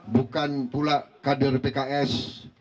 bukan pula kader pks